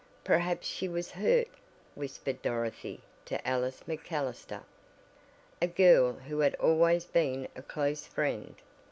"Perhaps she was hurt," whispered Dorothy to Alice MacAllister, a girl who had always been a close friend.